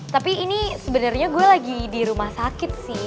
tapi ini sebenarnya gue lagi di rumah sakit sih